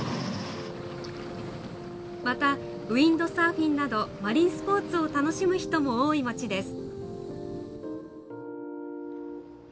また、ウインドサーフィンなどマリンスポーツを楽しむ人も多い町です。